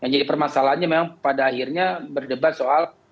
jadi permasalahannya memang pada akhirnya berdebat soal